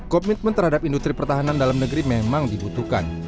komitmen terhadap industri pertahanan dalam negeri memang dibutuhkan